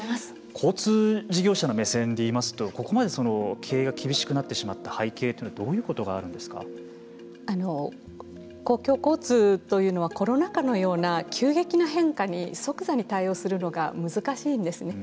交通事業者の目線でいいますとここまで経営が厳しくなってしまった背景というのは公共交通というのはコロナ禍のような急激な変化に即座に対応するのが難しいんですね。